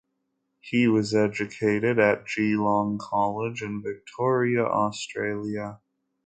He was educated at Geelong College in Victoria, Australia.